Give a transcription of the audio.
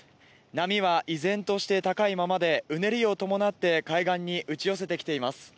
波は依然として高いままでうねりを伴って海岸に打ち寄せてきています。